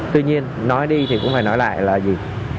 tuy nhiên nói đi thì cũng phải nói lại là gì